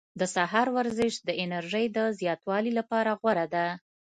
د سهار ورزش د انرژۍ د زیاتوالي لپاره غوره ده.